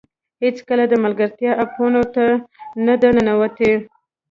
هېڅکله د ملګرتیا اپونو ته نه ده ننوتې